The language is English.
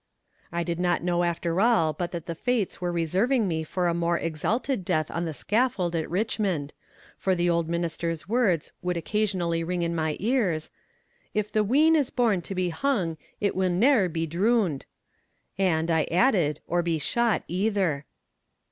I did not know after all but that the fates were reserving me for a more exalted death on the scaffold at Richmond for the old minister's words would occasionally ring in my ears: "If the wean is born to be hung it will ne'er be droon'd" and, I added, or be shot either.